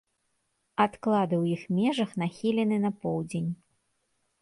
Адклады ў іх межах нахілены на поўдзень.